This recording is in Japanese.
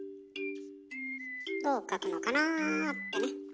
どう書くのかなってね。